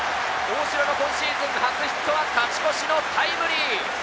大城の今シーズン初ヒットは勝ち越しのタイムリー！